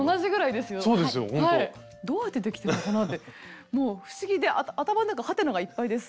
どうやってできてるのかなってもう不思議で頭の中ハテナがいっぱいです。